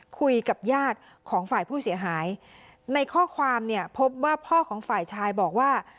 คุยกับญาติของฝ่ายผู้เสียหายในข้อความเนี่ยพบว่าพ่อของฝ่ายชายบอกว่า